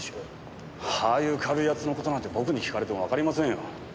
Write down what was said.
ああいう軽い奴の事なんて僕に聞かれてもわかりませんよ。